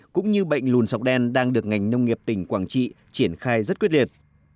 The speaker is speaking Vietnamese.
cũng như bệnh lùn sọc đen đang được ngành nông nghiệp tỉnh quảng trị triển khai rất quyết liệt